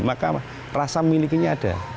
maka rasa miliknya ada